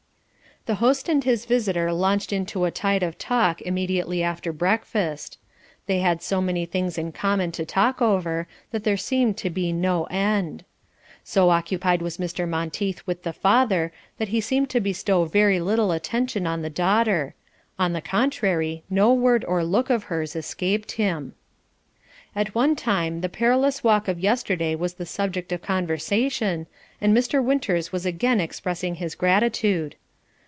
The host and his visitor launched into a tide of talk immediately after breakfast. They had so many things in common to talk over that there seemed to be no end. So occupied was Mr. Monteith with the father that he seemed to bestow very little attention on the daughter; on the contrary, no word or look of hers escaped him. At one time the perilous walk of yesterday was the subject of conversation, and Mr. Winters was again expressing his gratitude.